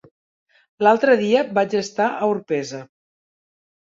L'altre dia vaig estar a Orpesa.